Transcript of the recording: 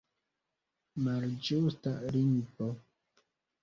Malĝusta lingvo!